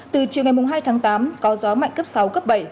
từ chiều ngày hai tháng tám có gió mạnh cấp sáu cấp bảy